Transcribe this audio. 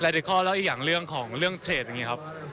ในข้อแล้วอีกอย่างเรื่องของเรื่องเทรดอย่างนี้ครับ